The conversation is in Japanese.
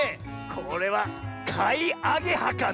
これはかいアゲハかな？